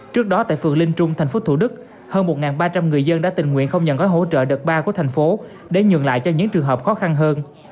trước đó tại phường linh trung thành phố thủ đức hơn một ba trăm linh người dân đã tình nguyện không nhận gói hỗ trợ đợt ba của thành phố để nhường lại cho những trường hợp khó khăn hơn